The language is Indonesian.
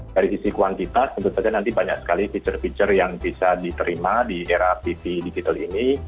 dari sisi kuantitas tentu saja nanti banyak sekali fitur fitur yang bisa diterima di era tv digital ini